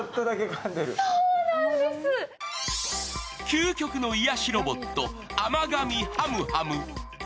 究極の癒やしロボット、甘噛みハムハム。